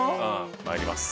参ります。